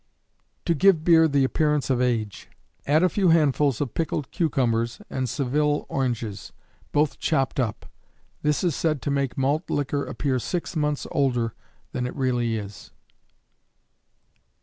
To give Beer the appearance of Age. Add a few handfuls of pickled cucumbers and Seville oranges, both chopped up. This is said to make malt liquor appear six months older than it really is.